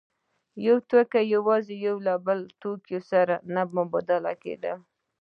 یو توکی یوازې له یو بل توکي سره نه مبادله کېده